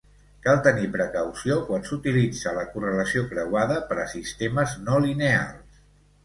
Cal tenir precaució quan s'utilitza la correlació creuada per a sistemes no lineals.